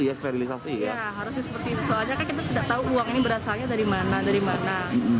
ya sterilisasi harus seperti soalnya kita tidak tahu uang ini berasalnya dari mana dari mana